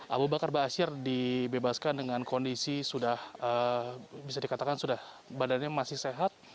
abu bakar basir dibebaskan dengan kondisi sudah bisa dikatakan sudah badannya masih sehat